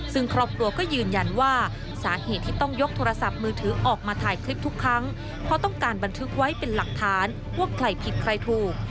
ซึ่งครอบครัวก็ยืนยันว่าสาเหตุที่ต้องยกโทรศัพท์มือถือออกมาถ่ายคลิปทุกครั้งเพราะต้องการบันทึกไว้เป็นหลักฐานว่าใครผิดใครถูก